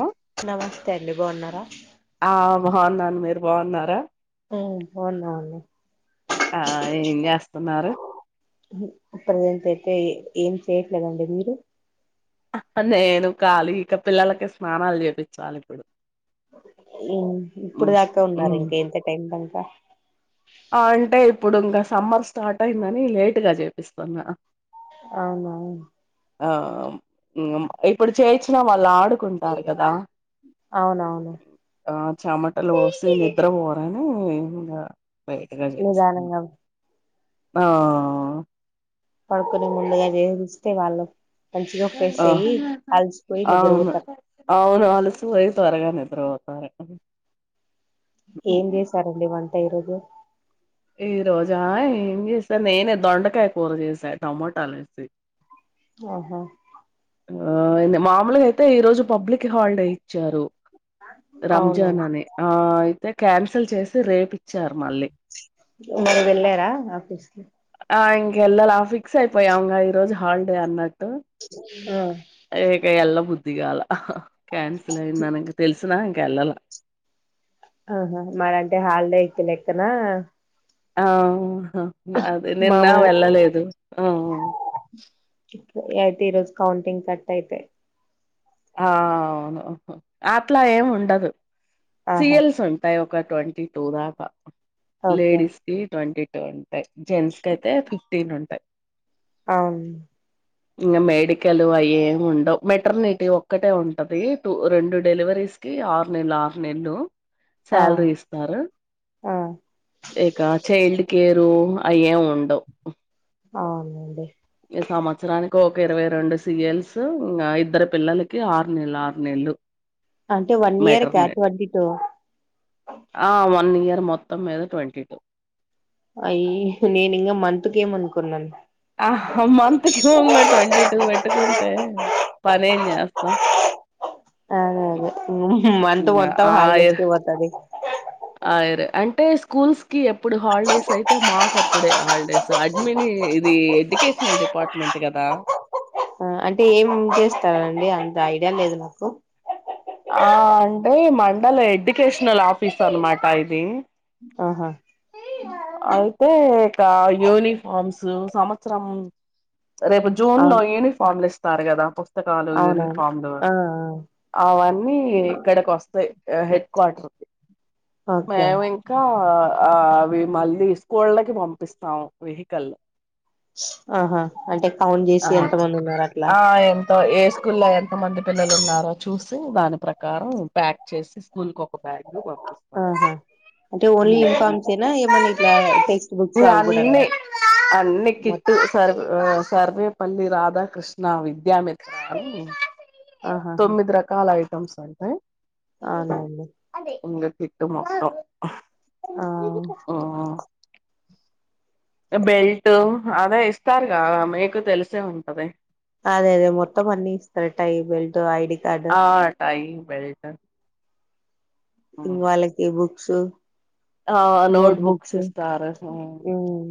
ఆ నమస్తే అండి బాగున్నారా. ఆ బాగున్నాను మీరు బాగున్నారా. ఊ బాగున్నాం అండి. ఆ ఏం చేస్తున్నారు అప్పుడు [unintelligible] ఏం చేయట్లేదండి మీరు నేను ఖాళీ ఇక పిల్లలకే స్నానాలు చేపిచ్చాలి ఇప్పుడు. ఇప్పుడు ఉమ్ దాకా ఉన్నారా ఉమ్ ఇంక ఇంత టైం దాం బా అంటే ఇప్పుడు ఇంకా సమ్మర్ స్టార్ట్ అయిందనీ లేటుగా చేపిస్తున్నా. అవునవును ఆ ఇప్పుడు చేయిచ్చినా వాళ్ళు ఆడుకుంటారు కదా. అవునవును ఆ చెమటలు పోసి నిద్ర పోరనీ ఇంగా. బైటగా చేస్తున్నం నిదానంగా ఆ పడుకుొనే ముందుగా చేస్తే వాళ్ళు మంచిగా ఫ్రెష్ ఆ అయ్య అలిసిపోయి నిద్రపోతాం అలిసిపోయి త్వరగా నిద్ర పోతారు ఏం చేసారండి వంట ట ఈరోజు ఈ రోజా ఏం చేసా నేనే దొండకాయ కూర చేసా టొమోటాలు వేసి ఆహా ఆ మామూలుగా అయితే ఈ రోజు పబ్లిక్ హాలిడే ఇచ్చారు అవును రంజాన్ అని ఆ అయితే కాన్సిల్ చేసి రేపు ఇచ్చారు మళ్ళీ మీరు వెళ్ళారా ఆఫీస్కి ఆ ఇంకెళ్లలా ఫిక్స్ అయిపోయంగా ఈ రోజు హాలిడే అన్నట్టు ఆ అరే కా వెల్ల బుద్ధి ద్దిగాల క్యాన్సిల్ అయిందనీ తెల్సి ఇంకా వెళ్ళాలా ఆహా మరంటే హాలీడే ఇచ్చిన లెక్కన అ అదే నిన్న మామూలు వెళ్ళలేదు ఆ అయితే ఈరోజు కౌంటింగ్ కట్ అయితే ఆ అవును అట్లా ఏం ఉండదు ఆహా సీయల్స్ ఉంటాయి ఒక ట్వంటీ టూ దాక ఓకే లేడీస్ కి ట్వంటీ డోన్ జెంట్స్ కి అయితే ఫిఫ్టీన్ ఉంటయి అవును ఇంకా మెడికల్ అయ్యేమి ఉండవు మెటర్నిటీ ఒక్కటే ఉంటది టూ రెండు డెలివరీస్ కి ఆరు నెల్లు ఆరు నెల్లు ఆ శాలరీ ఇస్తారు ఆ ఇక చైల్డ్ కేరు అయ్యము ఉండవు అవునండి ఈ సంవత్సరానికి ఒక ఇరవై రెండు సీయల్స్ ఇంక ఇద్దరు పిల్లలకి ఆరు నెల్లు ఆరు నెల్లు అంటే వన్ ఇయర్ కటవర్డీతో ఆ వన్ ఇయర్ మొత్తం మీద ట్వంటీ టూ అయీ నేను ఇంకా మంత్ కేమో అనుకున్నాను ఆ మంత్కి ఏమో ట్వంటీ టూ పెట్టుకునీ అ పనేం చేస్తాం అదే అదే మంత్ మొత్తం హాలిడేస్ కి పోతాది అ [unintelligible] అే అంటే స్కూల్స్ కి ఎప్పుడు హాలిడేస్ అయితే మాకు అప్పుడే హాలిడేస్ అడ్మిని ఇది ఎడ్యుకేషనల్ డిపార్ట్మెంట్ కదా అంటే ఏం చేస్తారండి అంత ఐడియా లేదు నాకు ఆ అంటే మండల ఎడ్యుకేషనల్ ఆఫీస్ అన్నమాట ఇది ఆహా అయితే యూనిఫార్మ్స్ సు సంవత్సరం రేపు జూన్ లో అవును యూనిఫామ్లు ఇస్తారు కదా పుస్తకాలు అవునవును యూనిఫామ్లు ఆ అవన్నీ ఇక్కడికి వస్తాయి హెడ్ క్వార్టర్కి ఆ ఓకే మేము ఇంకా ఆ అవి మళ్ళీ స్కూళ్ళకి పంపిస్తాం వెహికల్ ఆహా అంటే కౌంట్ ఆ చేసి ఎంతమంది ఉన్నారు అట్లా ఆ ఎంత ఏ స్కూల్ [unintelligible] ఎంత మంది పిల్లలు ఉన్నారో చూసు దాని ప్రకారం ప్యాక్ చేసి స్కూల్కి ఒక బ్యాగ్ పంపిస్తాం ఆహా అంటే ఓన్లీ యూనిఫామ్సేనా ఏమన్నా ఇట్లా టెక్స్ట్ బుక్స్ అవి కూడానా అన్నీ అన్ని కిట్టు సర్వ్ సర్వేపల్లి రాధాకృష్ణ విద్యా మిత్ర అని తొమ్మిది రకాల ఐటమ్స్ ఆ అవునవు ట్టు మొత్తం ఆ బెల్టు అదె ఇస్తార్గా మె క్ తెలిసే ఉంటది అదే అదే మొత్తం అన్నీ ఇస్తరు టై బెల్ట్ ఐడి కార్డు ఆ టై బెల్ట్ ఇ వాళ్ళకి బుక్ క్సు ఆ నోట్బుక్స్ ఇస్తారు ఉమ్.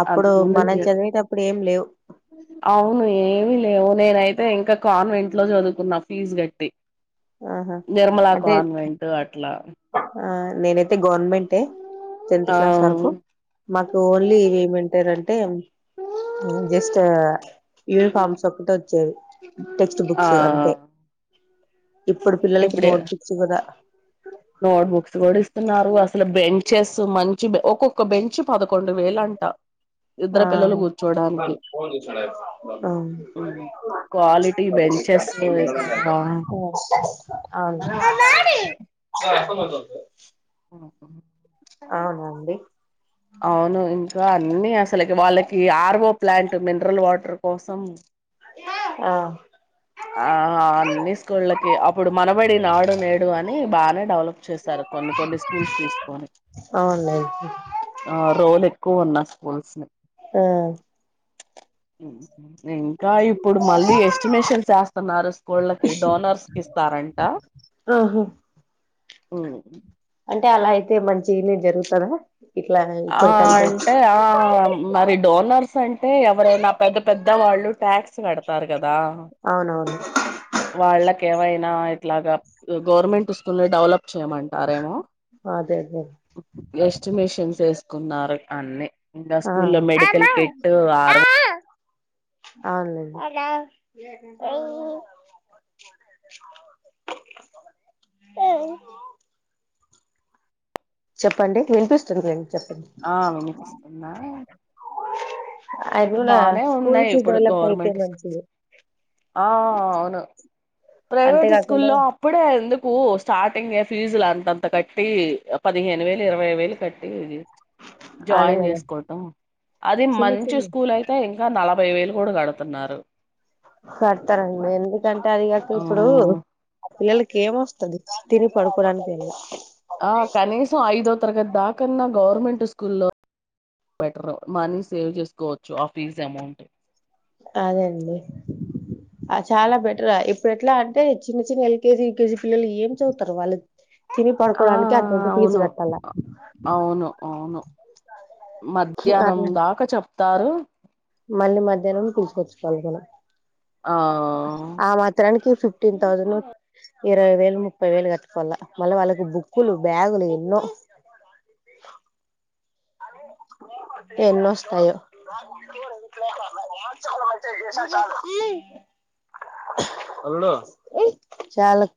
అప్పుడు అంతకు ముందు మనం చదివేటప్పుడు ఏం లేవు అవును ఏమి లేవు నెనైత్ అయితే ఇంకా కాన్వెంట్ లో చదువుకున్న ఫీజ్ గట్టి ఆహా నిర్మలా అంటే కాన్వెంట్ అట్ల నేనైతె గవర్నమెంటే టెన్త్ ఆ క్లాస్ వరకు మాకు ఓన్లీ ఇవి ఏమంటారంటే జస్ట్ యూనిఫార్మ్స్ ఒకటి ఒచ్చేవి టెక్స్ట్ ఆ బుక్స్ అంతె ఇప్పుడు పిల్లలకి నోట్ బుక్స్ కదా నోట్బుక్స్ కూడ ఇస్తున్నారు అసలు బెంచెస్ మంచి ఒక్కొక్క బెంచ్ పదకొండు వేలంట ఆ ఉమ్. క్వాలిటీ అ బెంచెస్ ఇక అవును [unintelligible] అ ఆ అవును అన్ని అసలకి వాళ్ళకి ఆర్వో ప్లాంట్ మినరల్ వాటర్ కోసం అ ఆ అ అన్ని స్కూళ్ళకి అప్పుడు మనబడి నాడు నేడు అని బానే డెవలప్ చేస్తారు కొన్ని కొన్ని స్కూల్స్ తీసుకొని అవునండి ఆ రోల్ ఎక్కువ ఉన్నా స్కూల్స్ ఆ ఉ ఇంకా ఇప్పుడు మళ్ళి ఎస్టిమేషన్ స్తున్నారు స్కూళ్ళకి డోనస్స్తారంట ఆహా ఓ అంటే అలా అయితే మంచినే జరుగుతదా ఇట్లా ఆ ఇప్పటికంటే అంటే ఆ మరి డోనర్స్ అంటే ఎవరైనా పెద్ద పెద్ద వాళ్ళు ట్యాక్స్ కడతారు కదా అవునవును వాళ్ళక ఏవైనా ఇట్లాగా గవర్నమెంట్ వస్తున్న డెవలప్ చేమంటారేమో అదే అదే ఎస్టిమేషన్ వ కున్నారు అన్నిీ ఇంకా ఆ స్కూల్లో లో మెడికల్ కిట్ ఆరువ అవును చెప్పండి వినిపిస్తుంది నడి ఆ వినిపిస్తుందా అది కూడా బానే ఉన్నాయి స్కూల్స్ ఇప్పుడు డెవలప్ అయితే గవర్నమెంట్ స్కూల్స్. మంచిది ఆ అవును ప్రైవేట్ స్కూల్ అంతేకాకుండా అప్పుడే కు స్టార్టింగ్ ఏ ఫీజు లాంతంత కట్టి పదిహేను వేలు ఇరవై వేలు కట్టి ఇది అదే జాయిన్ కదా చేసుకోవటం అది చిన్న మంచి చిన్న స్కూల్ అయితే ఇంకా నలభై బై వేలు కూడా గడుతున్నారు కడ్తరండి ఎందుకంటే అది గట్టి. ఆ ఇప్పుడు. పిల్లలకి ఏమోస్థాది, తిని పడుకోడానికి ఏళ్ళి. ఆ కనీసం ఐదోత్. తర్గత్ దాకన్నా గవర్నమెంట్ స్కూల్లో బెటరూ. మనీ సేవ్ జేస్కోవచ్చు ఆ ఫీజ్ అమౌంట్. అదేండి, ఆ చాలా బెటరా ఇప్. ఇప్పుడు ఎట్లా అంటే, చిన్న చిన్న ఎల్కేజీ, యూకేజీ పిల్లలు ఏం చదువుతార్ వాళ్ళ. [unintelligible] ఆ అవును, కట్టాల అవును అవును మధ్యాహ్నం అట్లా దాకా చెప్. తారు. మళ్ళీ మధ్యాహ్నం తీసుకొచ్చి పల్. [unintelligible] ఆ ఆ మాత్రానికి, ఫిఫ్టీన్ తౌజను. ఇరవై వేలు, ముప్పై వేలు కట్టుకోల్ల. మళ్ళీ వాళ్ళకు బుక్కులు, బ్యాగులు ఎన్నో. ఎన్నోస్తాయో చాలక్.